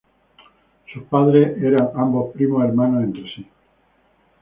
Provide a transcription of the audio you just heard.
Sus padres eran ambos primos hermanos entre sí.